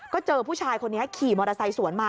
ก็เจอผู้ชายคนนี้ขี่มอเตอร์ไซค์สวนมา